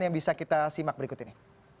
yang bisa kita simak berikut ini